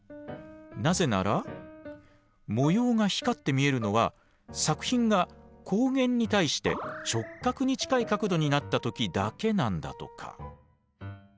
なぜなら模様が光って見えるのは作品が光源に対して直角に近い角度になった時だけなんだとか。